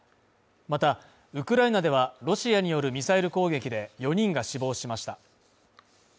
また、ウクライナでは、ロシアによるミサイル攻撃で４人が死亡しました。